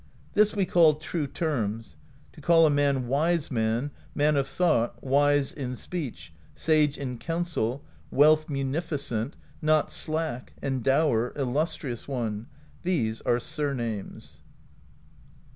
" This we call true terms : to call a man Wise Man, Man of Thought, Wise in Speech, Sage in Counsel, Wealth Munificent, Not Slack, Endower, Illustrious One; these are surnames.